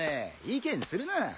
意見するな。